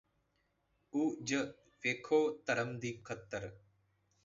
ੳ ਜ ਵੇਖੋ ਧਰਮ ਦੀ ਖ਼ੱਤਰ